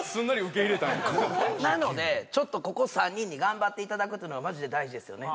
なのでちょっとここ３人に頑張っていただくというのがマジで大事ですよね